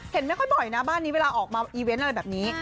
ไม่ค่อยบ่อยนะบ้านนี้เวลาออกมาอีเวนต์อะไรแบบนี้